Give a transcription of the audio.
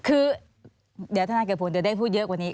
คือเดี๋ยวท่านนาเกียรติภูมิเดี๋ยวได้พูดเยอะกว่านี้